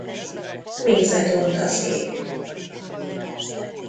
Mézet ont az ég.